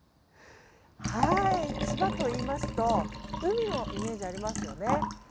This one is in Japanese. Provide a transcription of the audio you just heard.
はい、千葉といいますと海のイメージ、ありますよね。